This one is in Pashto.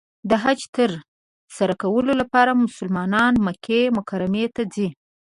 د حج تر سره کولو لپاره مسلمانان مکې مکرمې ته ځي .